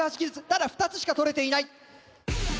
ただ２つしか取れていない。